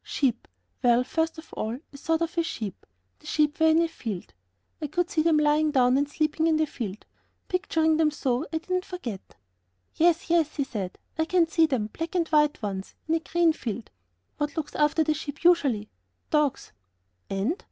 "Sheep. Well, first of all, I thought of sheep; the sheep were in a field. I could see them lying down and sleeping in the field; picturing them so, I did not forget." "Yes, yes," he said, "I can see them, black and white ones! in a green field." "What looks after the sheep usually?" "Dogs." "And?..."